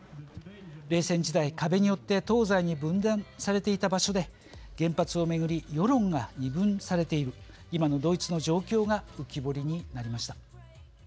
冷戦時代壁によって東西に分断されていた場所で原発を巡り世論が二分されている今のドイツの状況が浮き彫りになりました。